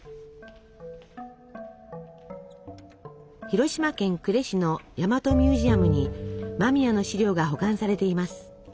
広島県呉市の大和ミュージアムに間宮の資料が保管されています。